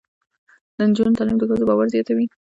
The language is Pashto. د نجونو تعلیم د ښځو باور زیاتوي.